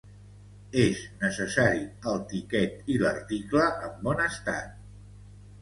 És necessari el tiquet i l'article en bon estat.